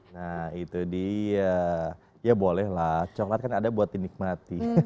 nah itu dia ya bolehlah coklat kan ada buat dinikmati